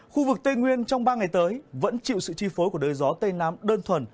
khu vực tây nguyên trong ba ngày tới vẫn chịu sự chi phối của đới gió tây nam đơn thuần